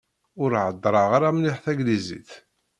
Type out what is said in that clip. Ur heddreɣ ara mliḥ Taglizit.